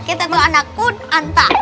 kita tuh anak kunanta